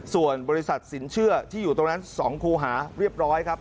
ส่วนบริษัทสินเชื่อที่อยู่ตรงนั้น๒คูหาเรียบร้อยครับ